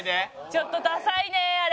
ちょっとダサいねあれ。